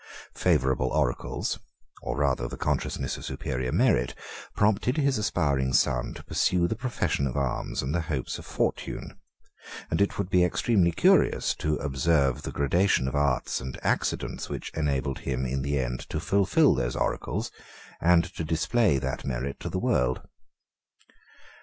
2 Favorable oracles, or rather the consciousness of superior merit, prompted his aspiring son to pursue the profession of arms and the hopes of fortune; and it would be extremely curious to observe the gradation of arts and accidents which enabled him in the end to fulfil those oracles, and to display that merit to the world.